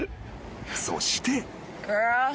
［そして］